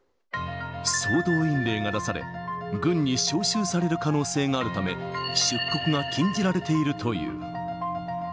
総動員令が出され、軍に召集される可能性があるため、出国が禁じられているという。